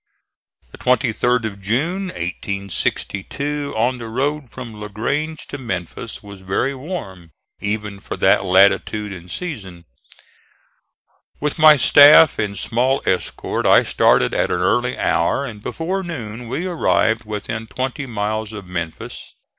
The 23d of June, 1862, on the road from La Grange to Memphis was very warm, even for that latitude and season. With my staff and small escort I started at an early hour, and before noon we arrived within twenty miles of Memphis.